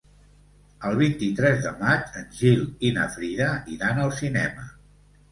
El vint-i-tres de maig en Gil i na Frida iran al cinema.